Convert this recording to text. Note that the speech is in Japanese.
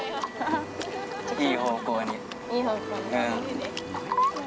いい方向に？